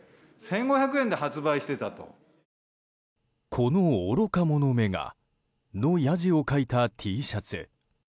「この愚か者めが」のやじを書いたＴシャツ。